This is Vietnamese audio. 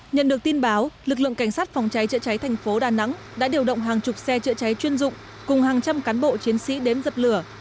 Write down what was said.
nhận được tin báo lực lượng cảnh sát phòng cháy chữa cháy thành phố đà nẵng đã điều động hàng chục xe chữa cháy chuyên dụng cùng hàng trăm cán bộ chiến sĩ đến dập lửa